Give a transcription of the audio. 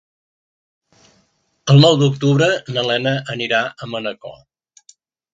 El nou d'octubre na Lena anirà a Manacor.